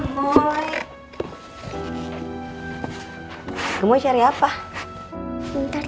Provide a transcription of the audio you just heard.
apa sih kik ini mau nanya tapi enak ntar dikira kepo tapi gini khawatir